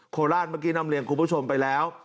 โคราชเมื่อกี้นำเรียนคุณผู้ชมไปแล้ว